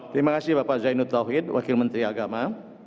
terima kasih bapak zainud tauhid wakil menteri agama